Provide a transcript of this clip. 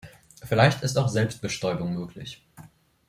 Vielleicht ist auch Selbstbestäubung möglich.